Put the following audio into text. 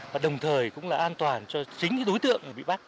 và đồng thời cũng là an toàn cho chính đối tượng bị bắt